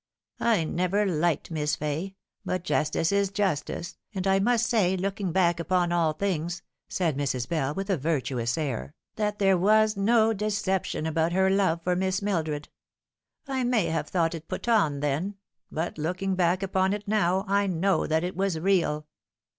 I never liked Miss Fay, but justice is justice, and I must say, looking back upon all things," said Mrs. Bell, with a virtuous air, " that there was no deception about her love for Miss Mil dred. I may have thought it put on then ; but looking back upon it now, I know that it was real."